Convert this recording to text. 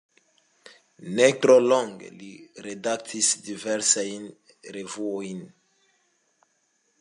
Ne tro longe li redaktis diversajn revuojn.